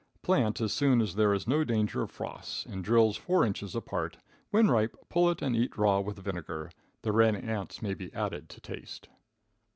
Plant as soon as there is no danger of frosts, in drills four inches apart. When ripe, pull it, and eat raw with vinegar. The red ants may be added to taste.